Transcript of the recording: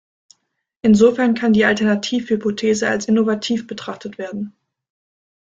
Insofern kann die Alternativhypothese als innovativ betrachtet werden.